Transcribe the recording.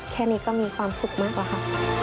แค่นี้ก็มีความสุขมากกว่าค่ะ